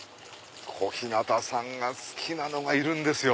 小日向さんが好きなのがいるんですよ。